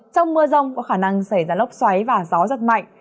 trong mưa rông có khả năng xảy ra lốc xoáy và gió giật mạnh